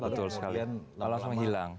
lalu kemudian langsung menghilang